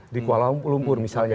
di kuala lumpur misalnya